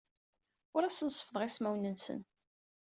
Ur asen-seffḍeɣ ismawen-nsen.